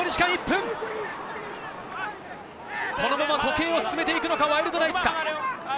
このまま時計を進めていくのかワイルドナイツ。